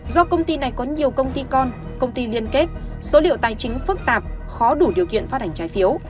do công ty này có nhiều công ty con công ty liên kết số liệu tài chính phức tạp khó đủ điều kiện phát hành trái phiếu